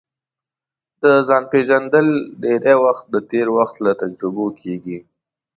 د ځان پېژندل ډېری وخت د تېر وخت له تجربو کیږي